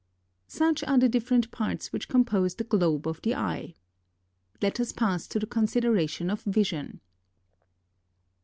Such are the different parts which compose the globe of the eye. Let us pass to the consideration of vision.